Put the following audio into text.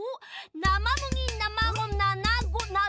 なまむぎなまごななご。